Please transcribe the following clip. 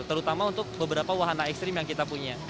terutama untuk beberapa wahana ekstrim yang kita punya